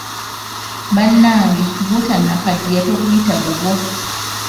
Bannannge gw'otonnakaddiya toguyita gugwo.